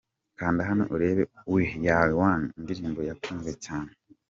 Kanda hano urebe "We Are One" Indirimbo yakunzwe cyane